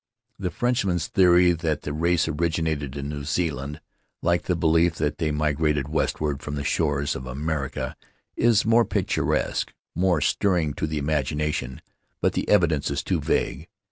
The Frenchman's theory that the race originated in New Zealand, like the belief that they migrated westward from the shores of America, is more picturesque, more stirring to the imagination; but the evidence is too vague.